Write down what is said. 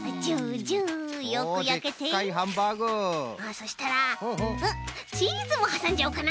そしたらチーズもはさんじゃおうかな！